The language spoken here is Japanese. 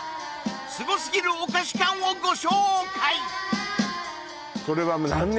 すごすぎるお菓子缶をご紹介